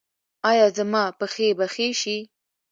ایا زما پښې به ښې شي؟